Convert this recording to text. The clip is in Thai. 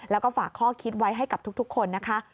แล้วก็ฝากข้อคิดไว้ให้กับทุกคนนะคะ